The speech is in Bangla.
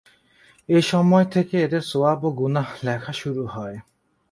এ সময় থেকে এদের সওয়াব ও গুনাহ লেখা শুরু হয়।